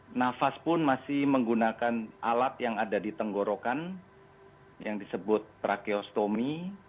nah nafas pun masih menggunakan alat yang ada di tenggorokan yang disebut tracheostomi